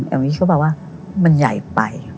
แล้ววิทยุเขาบอกว่ามันใหญ่ไป